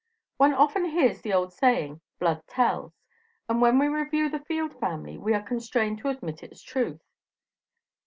One often hears the old saying, "blood tells," and when we review the Field family we are constrained to admit its truth.